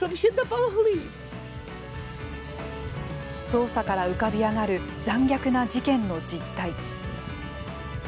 捜査から浮かび上がる残虐な事件の実態。